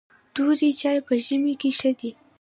توري چای په ژمي کې ښه دي .